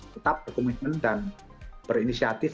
tetap berkomitmen dan berinisiatif